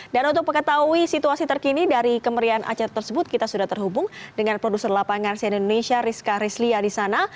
dan untuk mengetahui situasi terkini dari kemeriahan acara tersebut kita sudah terhubung dengan produser lapangan sien indonesia rizka rizlia di sana